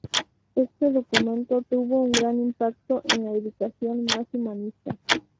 Este documento tuvo un gran impacto en la educación más humanista.